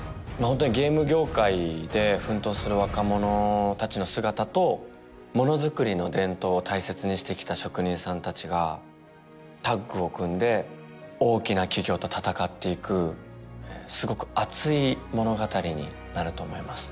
ホントにゲーム業界で奮闘する若者達の姿とものづくりの伝統を大切にしてきた職人さん達がタッグを組んで大きな企業と闘っていくすごく熱い物語になると思います